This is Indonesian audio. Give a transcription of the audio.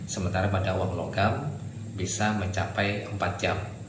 sementara pada uang logam bisa mencapai empat jam